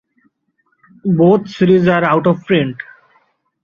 Both series are Out of print.